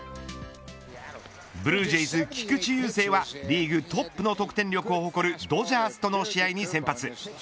ブルージェイズ菊池雄星はリーグトップの得点力を誇るドジャースとの試合に先発。